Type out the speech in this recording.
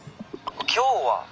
「今日は」？